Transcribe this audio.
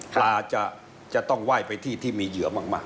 อาจจะจะต้องไหว้ไปที่ที่มีเหยื่อมาก